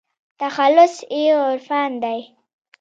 تخلص يې عرفان دى.